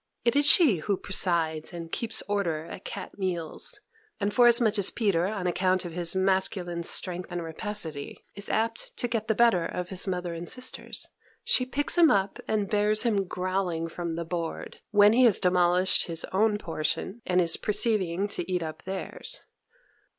It is she who presides and keeps order at cat meals; and forasmuch as Peter, on account of his masculine strength and rapacity, is apt to get the better of his mother and sisters, she picks him up, and bears him growling from the board, when he has demolished his own portion, and is proceeding to eat up theirs.